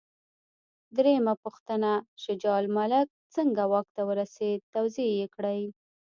درېمه پوښتنه: شجاع الملک څنګه واک ته ورسېد؟ توضیح یې کړئ.